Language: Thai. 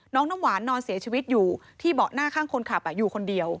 น้ำหวานนอนเสียชีวิตอยู่ที่เบาะหน้าข้างคนขับอยู่คนเดียว